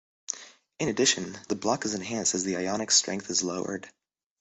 In addition, the block is enhanced as the ionic strength is lowered.